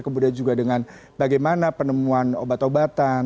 kemudian juga dengan bagaimana penemuan obat obatan